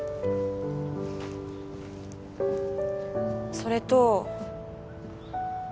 それと。